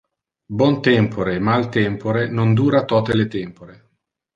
Bon tempore e mal tempore non dura tote le tempore.